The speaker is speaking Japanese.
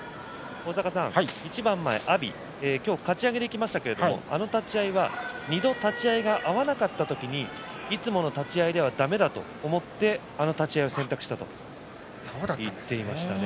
一番前、阿炎かち上げていきましたけれどもあの立ち合いは２度立ち合いが合わなかった時にいつもの立ち合いではだめだと思ってあの立ち合いを選択したと言っていましたね。